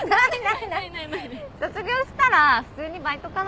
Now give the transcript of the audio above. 卒業したら普通にバイトかな